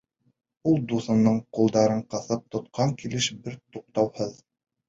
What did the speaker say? Ул дуҫының ҡулдарын ҡыҫып тотҡан килеш бер туҡтауһыҙ: